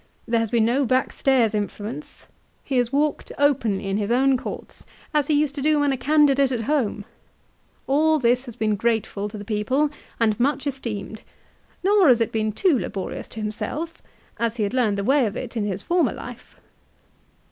There has been no back stairs influence. He has walked openly in his own courts, as he used to do when a candidate at home. All this 1 Ad Att. lib. vi. 2 CILICIA. 119 has been grateful to the people, aud much esteemed ; nor has it been too laborious to himself, as he had learned the way of it in his former life."